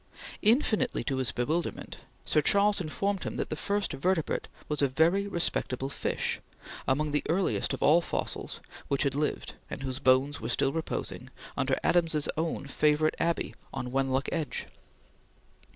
Infinitely to his bewilderment, Sir Charles informed him that the first vertebrate was a very respectable fish, among the earliest of all fossils, which had lived, and whose bones were still reposing, under Adams's own favorite Abbey on Wenlock Edge.